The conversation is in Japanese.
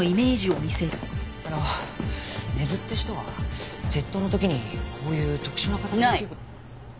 あの根津って人は窃盗の時にこういう特殊な形の器具。